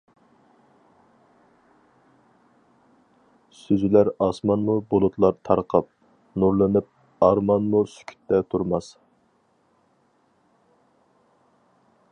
سۈزۈلەر ئاسمانمۇ بۇلۇتلار تارقاپ، نۇرلىنىپ ئارمانمۇ سۈكۈتتە تۇرماس!